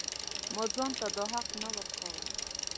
ما ځان ته دا حق نه ورکاوه.